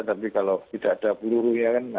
tapi kalau tidak ada bulu bulunya kan